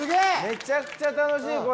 めちゃくちゃ楽しいこれ。